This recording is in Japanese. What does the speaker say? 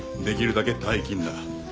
できるだけ大金だ。